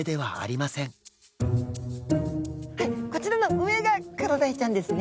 こちらの上がクロダイちゃんですね。